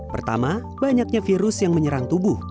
pertama banyaknya virus yang menyerang tubuh